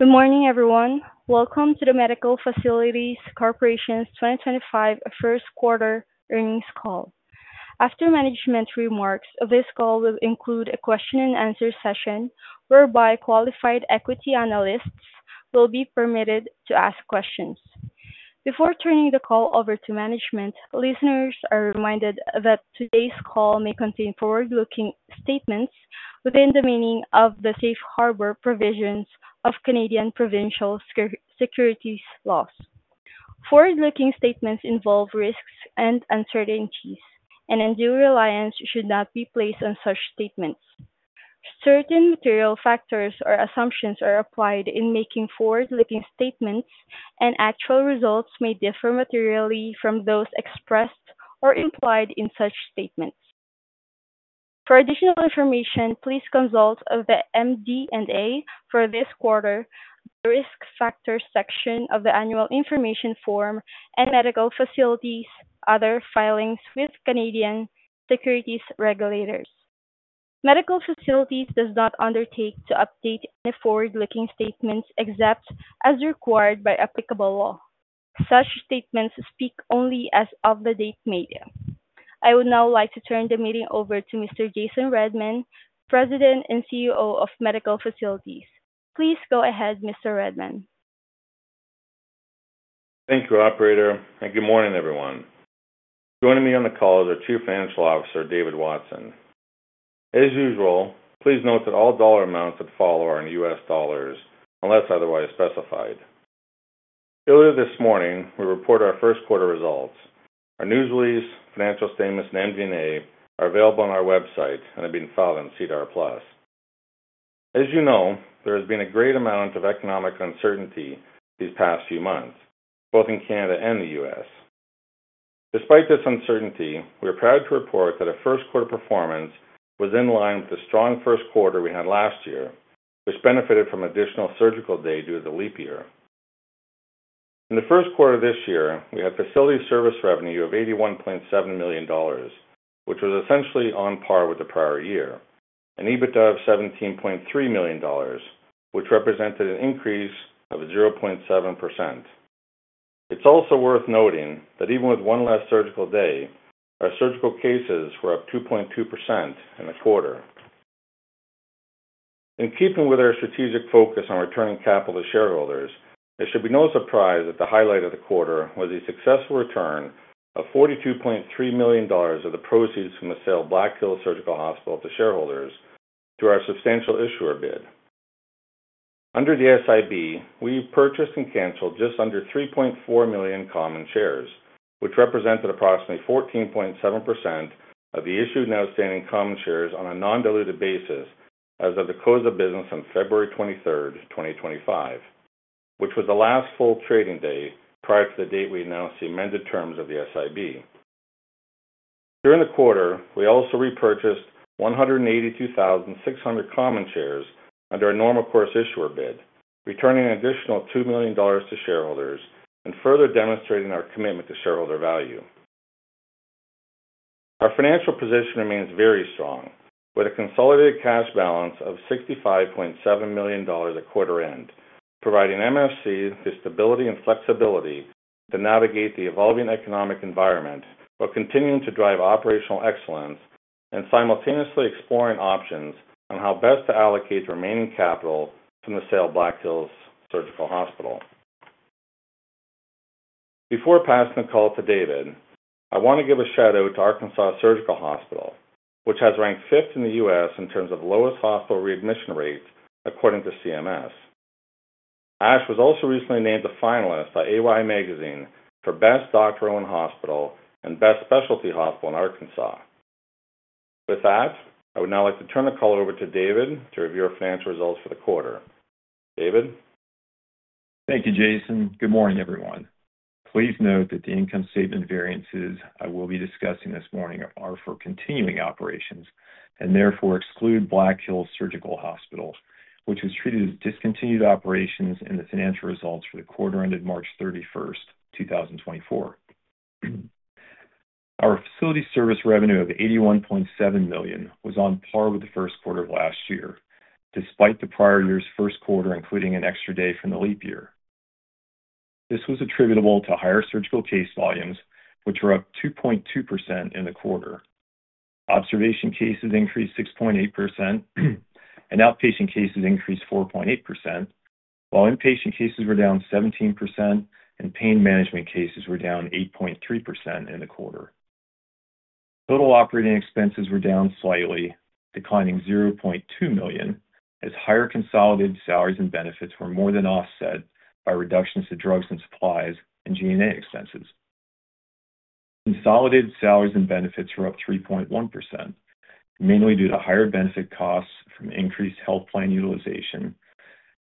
Good morning, everyone. Welcome to the Medical Facilities Corporation's 2025 first quarter earnings call. After management remarks, this call will include a question-and-answer session whereby qualified equity analysts will be permitted to ask questions. Before turning the call over to management, listeners are reminded that today's call may contain forward-looking statements within the meaning of the safe harbor provisions of Canadian provincial securities laws. Forward-looking statements involve risks and uncertainties, and undue reliance should not be placed on such statements. Certain material factors or assumptions are applied in making forward-looking statements, and actual results may differ materially from those expressed or implied in such statements. For additional information, please consult the MD&A for this quarter, the risk factor section of the annual information form, and Medical Facilities' other filings with Canadian securities regulators. Medical Facilities does not undertake to update any forward-looking statements except as required by applicable law. Such statements speak only as of the date made. I would now like to turn the meeting over to Mr. Jason Redman, President and CEO of Medical Facilities. Please go ahead, Mr. Redman. Thank you, Operator. Good morning, everyone. Joining me on the call is our Chief Financial Officer, David Watson. As usual, please note that all dollar amounts that follow are in U.S. dollars unless otherwise specified. Earlier this morning, we reported our first quarter results. Our news release, financial statements, and MD&A are available on our website and have been filed on SEDAR+. As you know, there has been a great amount of economic uncertainty these past few months, both in Canada and the U.S. Despite this uncertainty, we are proud to report that our first quarter performance was in line with the strong first quarter we had last year, which benefited from an additional surgical day due to the leap year. In the first quarter of this year, we had facility service revenue of $81.7 million, which was essentially on par with the prior year, and EBITDA of $17.3 million, which represented an increase of 0.7%. It's also worth noting that even with one less surgical day, our surgical cases were up 2.2% in the quarter. In keeping with our strategic focus on returning capital to shareholders, it should be no surprise that the highlight of the quarter was the successful return of $42.3 million of the proceeds from the sale of Black Hills Surgical Hospital to shareholders through our substantial issuer bid. Under the SIB, we purchased and canceled just under 3.4 million common shares, which represented approximately 14.7% of the issued and outstanding common shares on a non-dilutive basis as of the close of business on February 23rd, 2025, which was the last full trading day prior to the date we announced the amended terms of the SIB. During the quarter, we also repurchased 182,600 common shares under our normal course issuer bid, returning an additional $2 million to shareholders and further demonstrating our commitment to shareholder value. Our financial position remains very strong, with a consolidated cash balance of $65.7 million at quarter end, providing MFCs the stability and flexibility to navigate the evolving economic environment while continuing to drive operational excellence and simultaneously exploring options on how best to allocate remaining capital from the sale of Black Hills Surgical Hospital. Before passing the call to David, I want to give a shout-out to Arkansas Surgical Hospital, which has ranked fifth in the U.S. in terms of lowest hospital readmission rate according to CMS. ASH was also recently named the finalist by AY Magazine for Best Doctor-Owned Hospital and Best Specialty Hospital in Arkansas. With that, I would now like to turn the call over to David to review our financial results for the quarter. David? Thank you, Jason. Good morning, everyone. Please note that the income statement variances I will be discussing this morning are for continuing operations and therefore exclude Black Hills Surgical Hospital, which was treated as discontinued operations in the financial results for the quarter ended March 31st, 2024. Our facility service revenue of $81.7 million was on par with the first quarter of last year, despite the prior year's first quarter including an extra day from the leap year. This was attributable to higher surgical case volumes, which were up 2.2% in the quarter. Observation cases increased 6.8%, and outpatient cases increased 4.8%, while inpatient cases were down 17% and pain management cases were down 8.3% in the quarter. Total operating expenses were down slightly, declining $0.2 million, as higher consolidated salaries and benefits were more than offset by reductions to drugs and supplies and G&A expenses. Consolidated salaries and benefits were up 3.1%, mainly due to higher benefit costs from increased health plan utilization,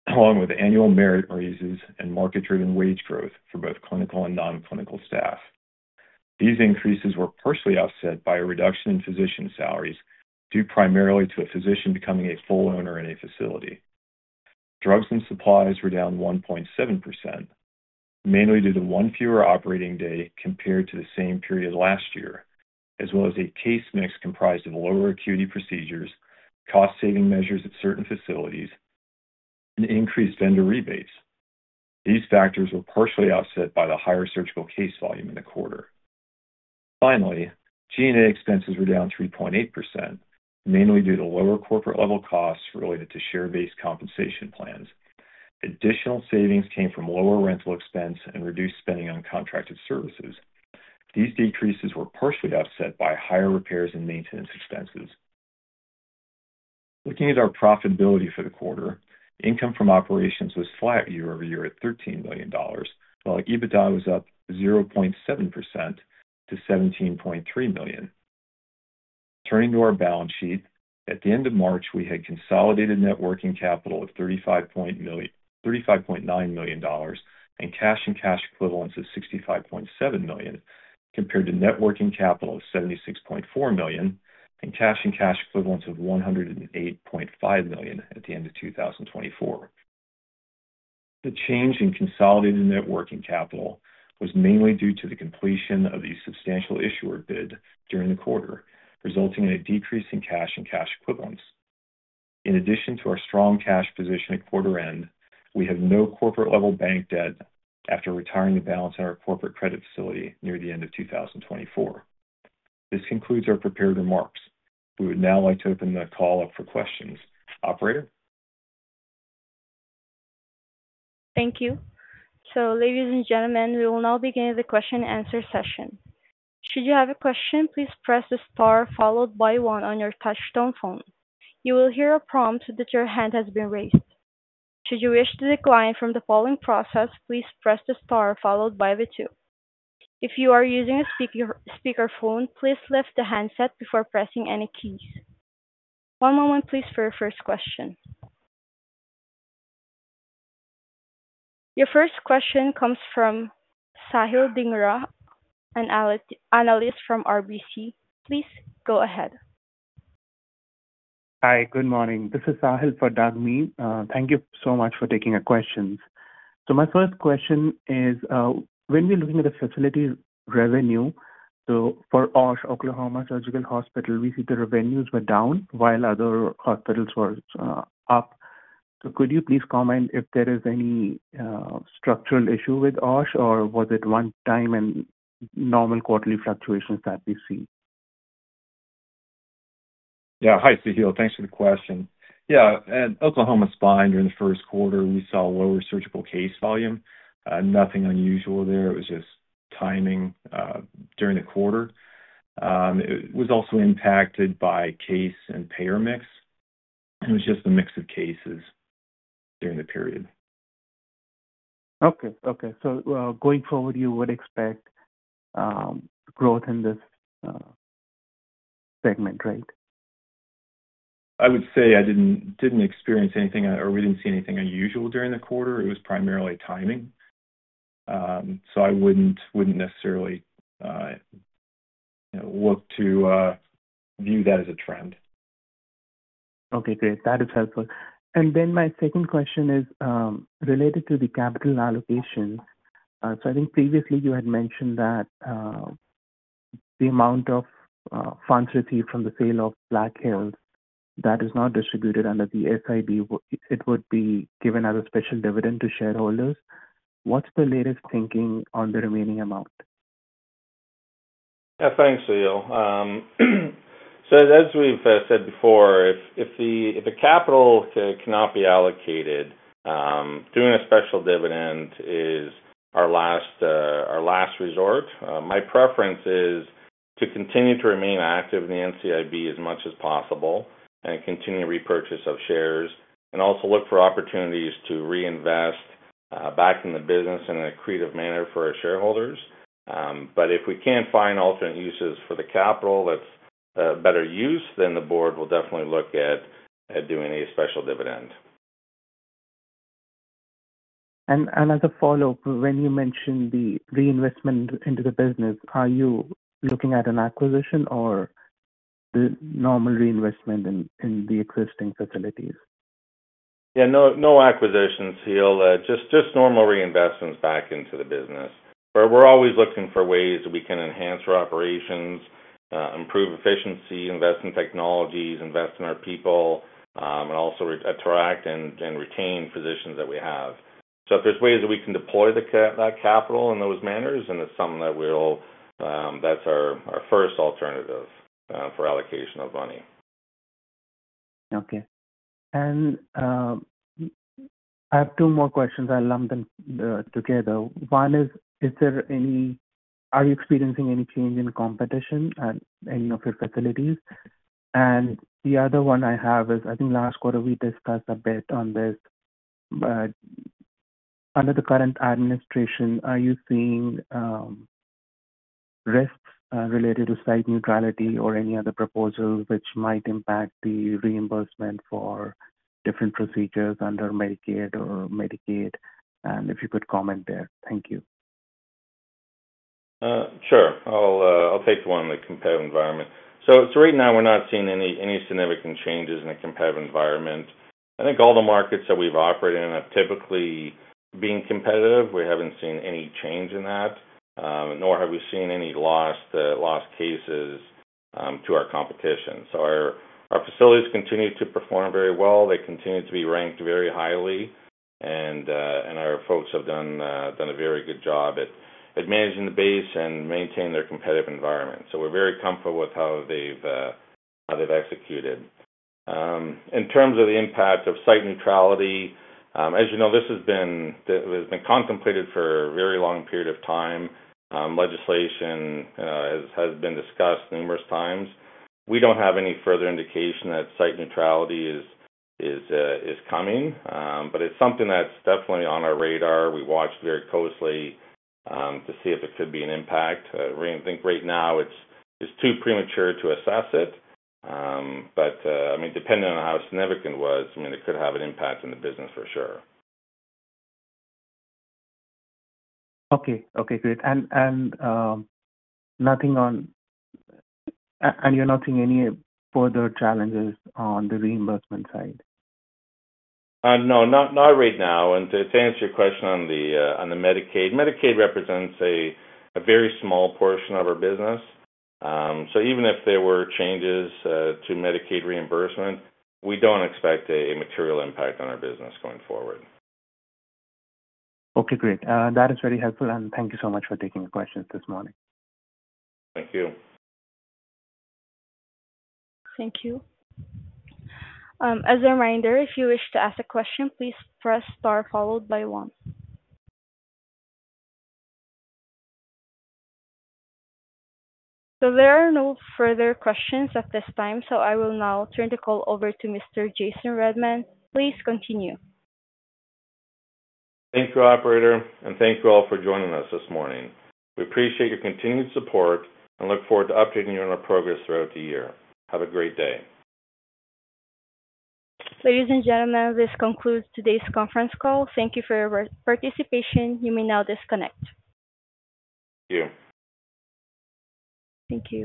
along with annual merit raises and market-driven wage growth for both clinical and non-clinical staff. These increases were partially offset by a reduction in physician salaries due primarily to a physician becoming a full owner in a facility. Drugs and supplies were down 1.7%, mainly due to one fewer operating day compared to the same period last year, as well as a case mix comprised of lower acuity procedures, cost-saving measures at certain facilities, and increased vendor rebates. These factors were partially offset by the higher surgical case volume in the quarter. Finally, G&A expenses were down 3.8%, mainly due to lower corporate-level costs related to share-based compensation plans. Additional savings came from lower rental expense and reduced spending on contracted services. These decreases were partially offset by higher repairs and maintenance expenses. Looking at our profitability for the quarter, income from operations was flat year-over-year at $13 million, while EBITDA was up 0.7% to $17.3 million. Turning to our balance sheet, at the end of March, we had consolidated net working capital of $35.9 million and cash and cash equivalents of $65.7 million, compared to net working capital of $76.4 million and cash and cash equivalents of $108.5 million at the end of 2024. The change in consolidated net working capital was mainly due to the completion of the substantial issuer bid during the quarter, resulting in a decrease in cash and cash equivalents. In addition to our strong cash position at quarter end, we have no corporate-level bank debt after retiring the balance in our corporate credit facility near the end of 2024. This concludes our prepared remarks. We would now like to open the call up for questions. Operator? Thank you. So, ladies and gentlemen, we will now begin the question-and-answer session. Should you have a question, please press the star followed by one on your touchstone phone. You will hear a prompt that your hand has been raised. Should you wish to decline from the following process, please press the star followed by the two. If you are using a speakerphone, please lift the handset before pressing any keys. One moment, please, for your first question. Your first question comes from Sahil Dhingra, an analyst from RBC. Please go ahead. Hi, good morning. This is Sahil for Doug Mead. Thank you so much for taking a question. My first question is, when we're looking at the facility revenue, for OSH, Oklahoma Surgical Hospital, we see the revenues were down while other hospitals were up. Could you please comment if there is any structural issue with OSH, or was it one-time and normal quarterly fluctuations that we see? Yeah. Hi, Sahil. Thanks for the question. Yeah. At Oklahoma Surgical Hospital, during the first quarter, we saw lower surgical case volume. Nothing unusual there. It was just timing during the quarter. It was also impacted by case and payer mix. It was just a mix of cases during the period. Okay. Okay. So going forward, you would expect growth in this segment, right? I would say I didn't experience anything or we didn't see anything unusual during the quarter. It was primarily timing. I wouldn't necessarily look to view that as a trend. Okay. Great. That is helpful. My second question is related to the capital allocation. I think previously you had mentioned that the amount of funds received from the sale of Black Hills that is not distributed under the SIB, it would be given as a special dividend to shareholders. What is the latest thinking on the remaining amount? Yeah. Thanks, Sahil. As we've said before, if the capital cannot be allocated, doing a special dividend is our last resort. My preference is to continue to remain active in the NCIB as much as possible and continue repurchase of shares and also look for opportunities to reinvest back in the business in an accretive manner for our shareholders. If we can't find alternate uses for the capital that's better used, then the board will definitely look at doing a special dividend. As a follow-up, when you mentioned the reinvestment into the business, are you looking at an acquisition or the normal reinvestment in the existing facilities? Yeah. No acquisitions, Sahil. Just normal reinvestments back into the business. We're always looking for ways that we can enhance our operations, improve efficiency, invest in technologies, invest in our people, and also attract and retain physicians that we have. If there's ways that we can deploy that capital in those manners, then it's something that we'll—that's our first alternative for allocation of money. Okay. I have two more questions. I'll lump them together. One is, are you experiencing any change in competition at any of your facilities? The other one I have is, I think last quarter we discussed a bit on this, but under the current administration, are you seeing risks related to site neutrality or any other proposal which might impact the reimbursement for different procedures under Medicare or Medicaid? If you could comment there. Thank you. Sure. I'll take the one on the competitive environment. Right now, we're not seeing any significant changes in the competitive environment. I think all the markets that we've operated in have typically been competitive. We haven't seen any change in that, nor have we seen any lost cases to our competition. Our facilities continue to perform very well. They continue to be ranked very highly, and our folks have done a very good job at managing the base and maintaining their competitive environment. We're very comfortable with how they've executed. In terms of the impact of site neutrality, as you know, this has been contemplated for a very long period of time. Legislation has been discussed numerous times. We don't have any further indication that site neutrality is coming, but it's something that's definitely on our radar. We watch very closely to see if it could be an impact. I think right now, it's too premature to assess it. I mean, depending on how significant it was, it could have an impact on the business for sure. Okay. Okay. Great. You're not seeing any further challenges on the reimbursement side? No. Not right now. To answer your question on the Medicaid, Medicaid represents a very small portion of our business. Even if there were changes to Medicaid reimbursement, we do not expect a material impact on our business going forward. Okay. Great. That is very helpful, and thank you so much for taking the questions this morning. Thank you. Thank you. As a reminder, if you wish to ask a question, please press star followed by one. There are no further questions at this time, so I will now turn the call over to Mr. Jason Redman. Please continue. Thank you, Operator, and thank you all for joining us this morning. We appreciate your continued support and look forward to updating you on our progress throughout the year. Have a great day. Ladies and gentlemen, this concludes today's conference call. Thank you for your participation. You may now disconnect. Thank you. Thank you.